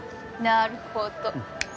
なるほど。